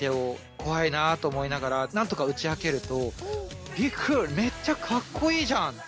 怖いなと思いながらなんとか打ち明けるとビークールめっちゃかっこいいじゃんって。